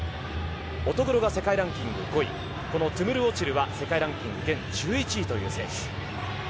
乙黒が世界ランキング５位このトゥムルオチルは世界ランキング現在１１位という選手。